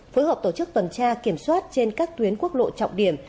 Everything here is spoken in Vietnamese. phối hợp tổ chức tuần tra kiểm soát trên các tuyến quốc lộ trọng điểm